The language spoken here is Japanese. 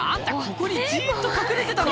ここにじっと隠れてたの？